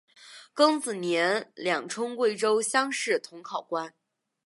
庚子年两充贵州乡试同考官。